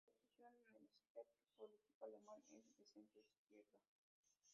Su posición en el espectro político alemán es de centro-izquierda.